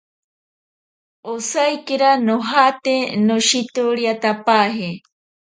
Osaikira nojate noshitoriatapaje.